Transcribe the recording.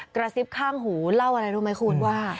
กระซิบข้างหูเล่าอะไรรู้ไหมคุณว่า